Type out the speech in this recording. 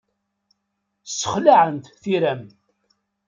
Ssexlaɛent tira-m.